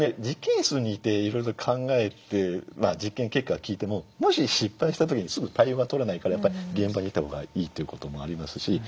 実験室にいていろいろ考えて実験結果は聞いてももし失敗した時にすぐ対応が取れないからやっぱり現場にいた方がいいということもありますし。